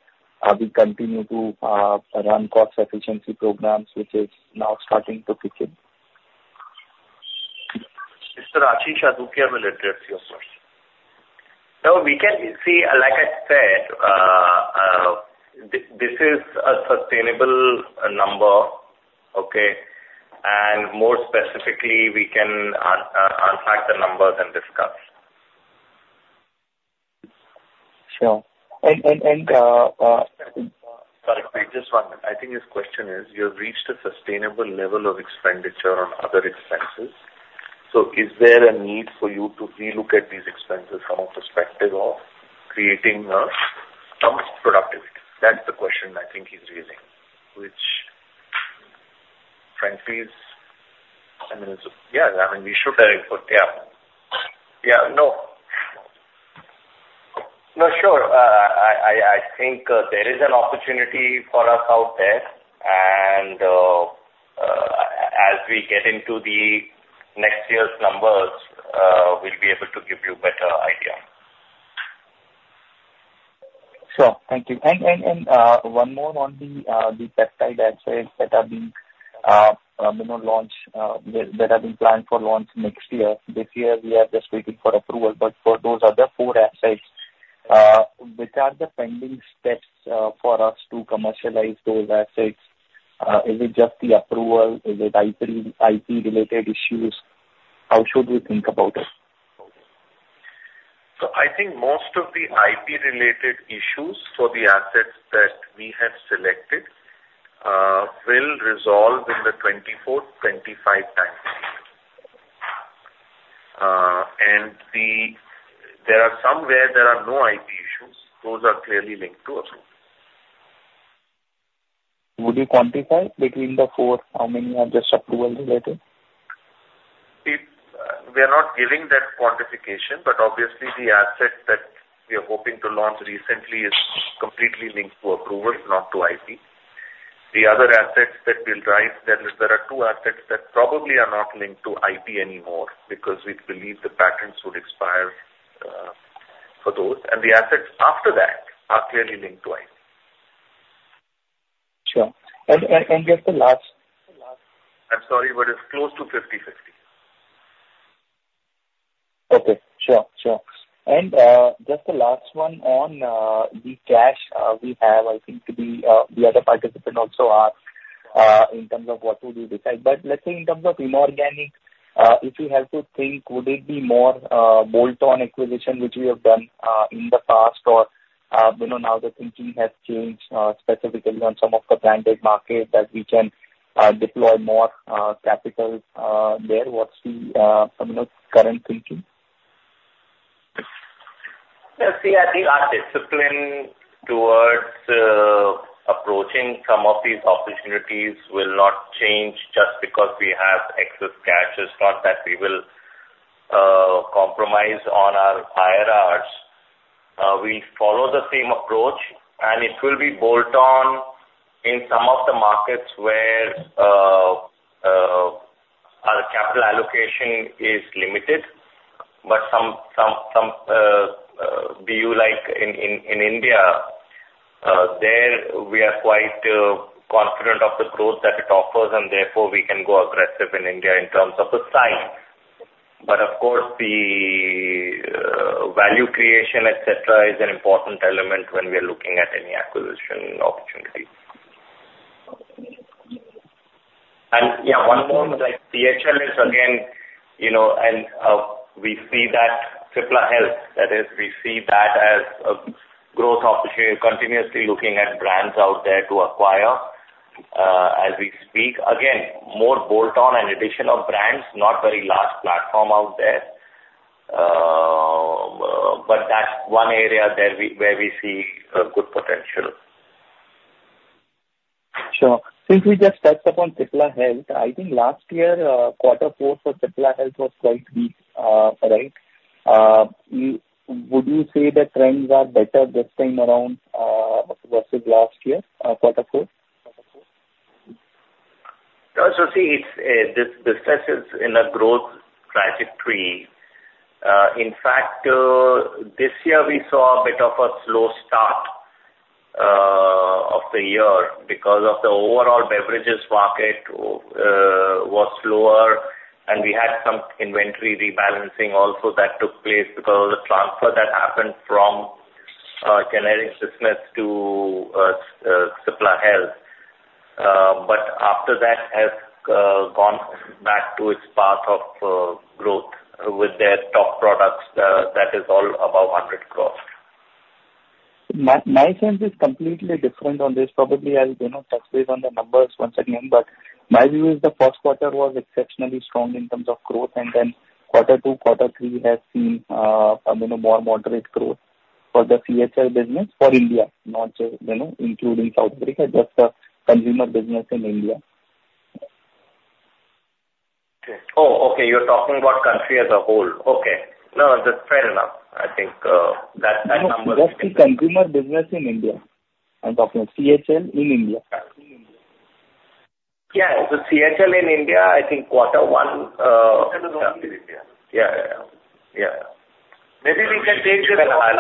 are we continuing to run cost efficiency programs, which is now starting to kick in?
Mr. Ashish Adukia will address your question.
No, we can see, like I said, this is a sustainable number, okay? And more specifically, we can unpack the numbers and discuss.
Sure.
Sorry, just one minute. I think his question is, you have reached a sustainable level of expenditure on other expenses. So is there a need for you to relook at these expenses from a perspective of creating some productivity? That's the question I think he's raising. Which, frankly, is, I mean, yeah, I mean, we should.
Correct.
Yeah. Yeah, no. No, sure. I think there is an opportunity for us out there, and as we get into the next year's numbers, we'll be able to give you a better idea.
Sure. Thank you. And one more on the peptide assets that are being, you know, launched, that are being planned for launch next year. This year, we are just waiting for approval, but for those other four assets, which are the pending steps for us to commercialize those assets? Is it just the approval? Is it IP-related issues? How should we think about it?
So I think most of the IP-related issues for the assets that we have selected will resolve in the 2024-2025 time frame. There are some where there are no IP issues. Those are clearly linked to approval.
Would you quantify between the four, how many are just approval related?
It. We are not giving that quantification, but obviously the asset that we are hoping to launch recently is completely linked to approval, not to IP. The other assets that will rise, there are two assets that probably are not linked to IP anymore because we believe the patents would expire for those, and the assets after that are clearly linked to IP.
Sure. And just the last-
I'm sorry, but it's close to 50/50.
Okay. Sure. Sure. And, just the last one on the cash, we have, I think the other participant also asked, in terms of what would you decide. But let's say in terms of inorganic, if you have to think, would it be more bolt-on acquisition, which we have done in the past, or, you know, now the thinking has changed, specifically on some of the branded markets that we can deploy more capital there? What's the, you know, current thinking?
Well, see, I think our discipline towards approaching some of these opportunities will not change just because we have excess cash. It's not that we will compromise on our IRRs. We follow the same approach, and it will be bolt-on in some of the markets where our capital allocation is limited. But some, some, some, be you like in, in, in India, there we are quite confident of the growth that it offers, and therefore, we can go aggressive in India in terms of the size. But of course, the value creation, et cetera, is an important element when we are looking at any acquisition opportunity. Yeah, one more. Like, CHL is again, you know, we see that Cipla Health, that is, we see that as a growth opportunity, continuously looking at brands out there to acquire, as we speak. Again, more bolt-on and addition of brands, not very large platform out there, but that's one area that we, where we see a good potential.
Sure. Since we just touched upon Cipla Health, I think last year, quarter four for Cipla Health was quite weak, right? Would you say that trends are better this time around, versus last year, quarter four?
So, this is in a growth trajectory. In fact, this year we saw a bit of a slow start of the year because of the overall beverages market was slower, and we had some inventory rebalancing also that took place because of the transfer that happened from generic business to Cipla Health. But after that has gone back to its path of growth with their top products that is all above 100 crore.
My sense is completely different on this. Probably, I'll, you know, touch base on the numbers once again, but my view is the first quarter was exceptionally strong in terms of growth, and then quarter two, quarter three has seen, you know, more moderate growth for the CHL business for India, not just, you know, including South Africa, just the consumer business in India.
Oh, okay. You're talking about country as a whole. Okay. No, that's fair enough. I think, that, that number-
Just the consumer business in India. I'm talking of CHL in India.
Yeah, the CHL in India, I think quarter one.
Yeah.
Yeah, yeah. Yeah. Maybe we can take this offline.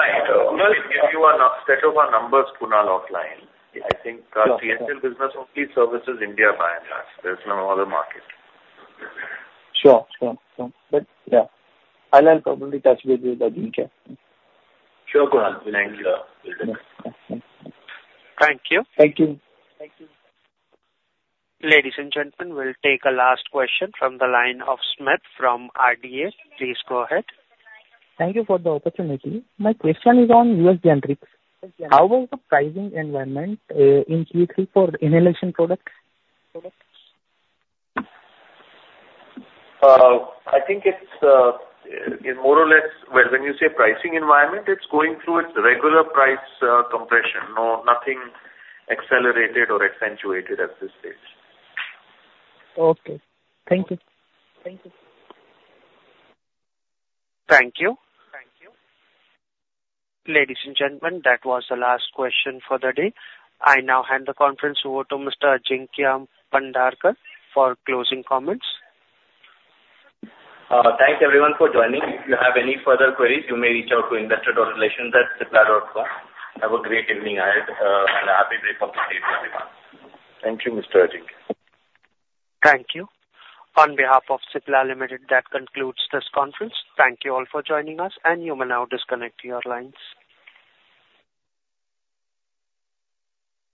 We can give you a set of our numbers, Kunal, offline. I think our CHL business only services India, by and large. There's no other market.
Sure. Sure, sure. But yeah, I'll, I'll probably touch base with you again.
Sure, Kunal. We thank you.
Thank you.
Thank you.
Ladies and gentlemen, we'll take a last question from the line of Smith from RDA. Please go ahead.
Thank you for the opportunity. My question is on U.S. generics. How was the pricing environment in Q3 for inhalation products?
I think it's more or less... Well, when you say pricing environment, it's going through its regular price compression. No, nothing accelerated or accentuated at this stage.
Okay. Thank you. Thank you.
Thank you. Ladies and gentlemen, that was the last question for the day. I now hand the conference over to Mr. Ajinkya Pandharkar for closing comments.
Thanks, everyone, for joining. If you have any further queries, you may reach out to investor relations@cipla.com. Have a great evening, and a happy day for everyone.
Thank you, Mr. Ajinkya.
Thank you. On behalf of Cipla Limited, that concludes this conference. Thank you all for joining us, and you may now disconnect your lines.